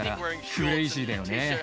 クレイジーだよね。